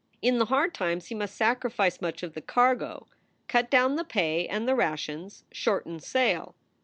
In the hard times he must sacrifice much of the cargo, cut down the pay and the rations, shorten sail.